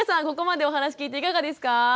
ここまでお話聞いていかがですか？